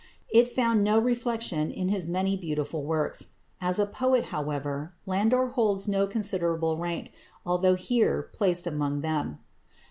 It found no reflection in his many beautiful works. As a poet, however, Landor holds no considerable rank, although here placed among them.